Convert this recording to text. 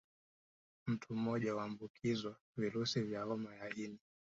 Mtu mmoja huambukizwa virusi vya homa ya ini